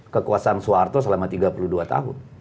kekuasaan soeharto selama tiga puluh dua tahun